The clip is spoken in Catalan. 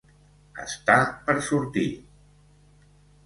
-Està per sortir…